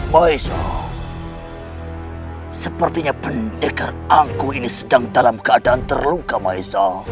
maisa sepertinya pendekar angku ini sedang dalam keadaan terluka maisa